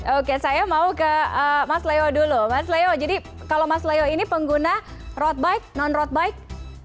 oke saya mau ke mas leo dulu mas leo jadi kalau mas leo ini pengguna road bike non road bike